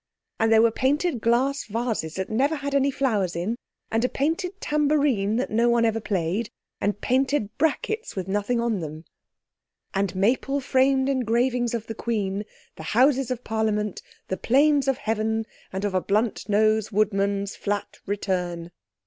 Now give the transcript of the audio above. And there were painted glass vases that never had any flowers in, and a painted tambourine that no one ever played, and painted brackets with nothing on them. "And maple framed engravings of the Queen, The Houses of Parliament, the Plains of Heaven, And of a blunt nosed woodman's flat return."